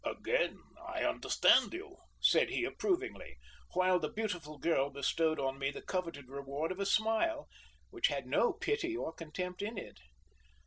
"Again I understand you," said he approvingly; while the beautiful girl bestowed on me the coveted reward of a smile, which had no pity or contempt in it.